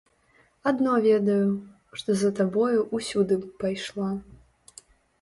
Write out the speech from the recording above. Адно ведаю, што за табою ўсюды б пайшла.